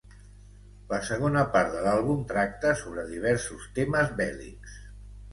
La segona part de l'àlbum tracta sobre diversos temes bèl·lics.